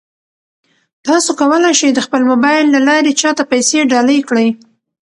تاسو کولای شئ د خپل موبایل له لارې چا ته پیسې ډالۍ کړئ.